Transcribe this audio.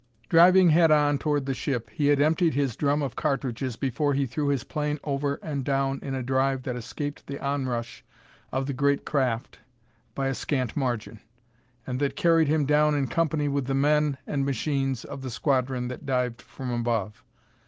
Driving head on toward the ship, he had emptied his drum of cartridges before he threw his plane over and down in a dive that escaped the onrush of the great craft by a scant margin, and that carried him down in company with the men and machines of the squadron that dived from above.